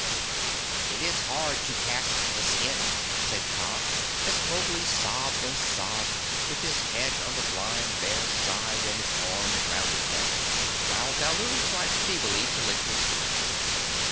"It is hard to cast the skin," said Kaa as Mowgli sobbed and sobbed, with his head on the blind bear's side and his arms round his neck, while Baloo tried feebly to lick his feet.